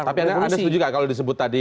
tapi ada yang setuju nggak kalau disebut tadi